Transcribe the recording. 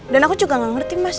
dan aku juga gak ngerti mas